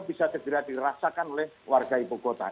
bisa tiba tiba dirasakan oleh warga ibukota